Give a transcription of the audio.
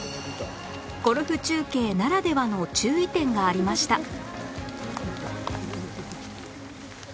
ゴルフ中継ならではの注意点がありました